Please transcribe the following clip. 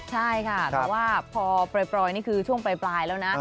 ใช่ค่ะแต่ว่าพอปล่อยนี่คือช่วงปลายแล้วนะ